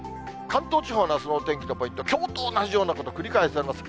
関東地方のあすのお天気のポイント、きょうと同じようなこと、繰り返されます。